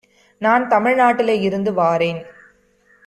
நான் தமிழ்நாட்டுல இருந்து வாரேன்.